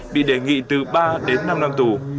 bị đề nghị từ ba đến năm năm tù